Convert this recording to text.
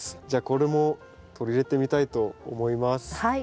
じゃあこれも取り入れてみたいと思います。